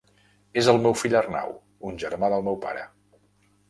És el meu fill Arnau, un germà del meu pare.